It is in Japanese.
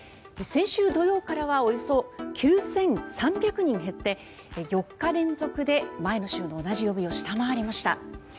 先週土曜からはおよそ９３００人減って４日連続で前の週の同じ曜日を下回りました。